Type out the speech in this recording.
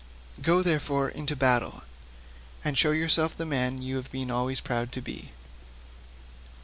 Go, therefore, into battle, and show yourself the man you have been always proud to be."